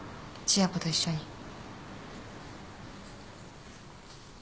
千夜子と一緒に。